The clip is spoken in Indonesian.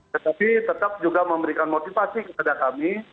tetapi tetap juga memberikan motivasi kepada kami